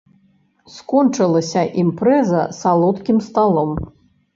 Скончылася імпрэза салодкім сталом.